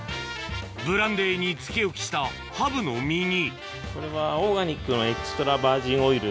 ブランデーに漬け置きしたハブの身にこれはオーガニックの。